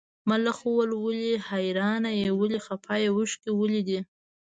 ملخ وویل ولې حیرانه یې ولې خپه یې اوښکي ولې دي.